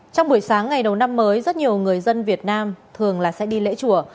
trong buổi sáng ngày đầu năm mới rất nhiều người dân việt nam thường là sẽ đi lễ chùa